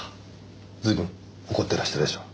随分怒ってらしたでしょ？